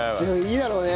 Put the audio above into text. いいだろうね